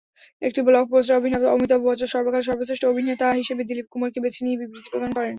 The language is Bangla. একটি ব্লগ পোস্টে অমিতাভ বচ্চন সর্বকালের সর্বশ্রেষ্ঠ অভিনেতা হিসেবে দিলীপ কুমারকে বেছে নিয়ে বিবৃতি প্রদান করেন।